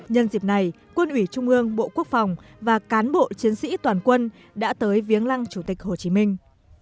nhân dịp này quân ủy trung ương bộ quốc phòng và cán bộ chiến sĩ toàn quân đã tới viếng lăng chủ tịch hồ chí minh